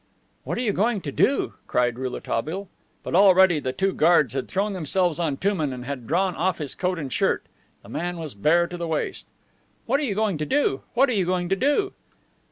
"What are you going to do?" cried Rouletabille. But already the two guards had thrown themselves on Touman and had drawn off his coat and shirt. The man was bare to the waist. "What are you going to do? What are you going to do?"